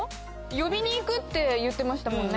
呼びに行くって言ってましたもんね。